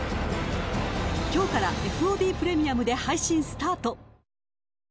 今日からＦＯＤプレミアムで配信スタート。